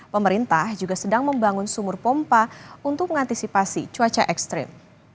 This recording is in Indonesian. pemerintah juga sedang membangun sumur pompa untuk mengantisipasi cuaca ekstrim